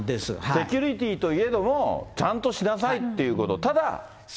セキュリティーといえども、ちゃんとしなさいっていうこと。